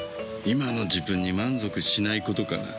今の自分に満足しないことかな。